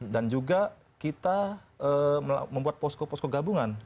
dan juga kita membuat posko posko gabungan